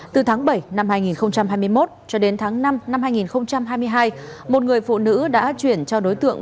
từ tháng bảy năm hai nghìn hai mươi một cho đến tháng năm năm hai nghìn hai mươi hai một người phụ nữ đã chuyển cho đối tượng